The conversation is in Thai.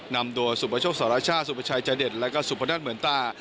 นำโดยสุพชกษาราชาสุพชายใจเด็ดและก็สุพนัทเหมือนตา